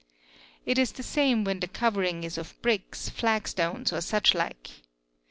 It is the same when — the covering is of bricks, flagstones, or such hke.